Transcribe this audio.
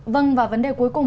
vâng và vấn đề cuối cùng